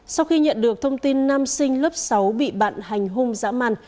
sau khi nhận được thông tin nam sinh lớp sáu bị bạn hành hung giã man